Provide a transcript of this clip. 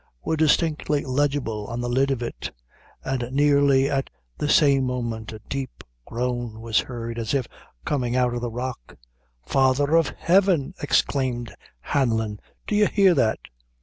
were distinctly legible on the lid of it, and nearly at the same moment a deep groan was heard, as if coming out of the rock. "Father of Heaven!" exclaimed Hanlon, "do you hear that?"